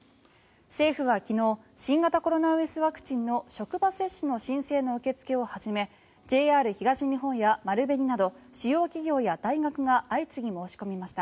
政府は昨日新型コロナウイルスワクチンの職場接種の申請の受け付けを始めＪＲ東日本や丸紅など主要企業や大学が相次ぎ申し込みました。